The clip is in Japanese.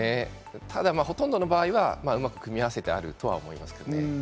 ほとんどの場合は、うまく組み合わせてあるとは思いますけどね。